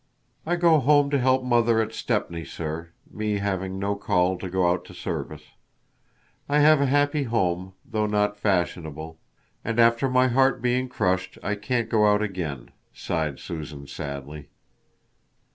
"I go home to help mother at Stepney, sir, me having no call to go out to service. I have a happy home, though not fashionable. And after my heart being crushed I can't go out again," sighed Susan sadly.